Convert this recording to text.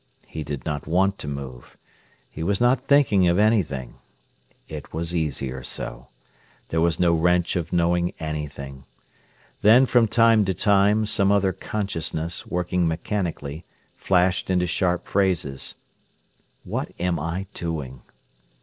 He did not want to move. He was not thinking of anything. It was easier so. There was no wrench of knowing anything. Then, from time to time, some other consciousness, working mechanically, flashed into sharp phrases. "What am I doing?"